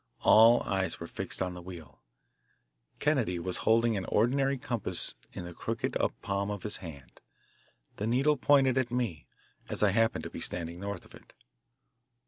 All eyes were fixed on the wheel. Kennedy was holding an ordinary compass in the crooked up palm of his hand. The needle pointed at me, as I happened to be standing north of it.